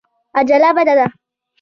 عجله بده ده.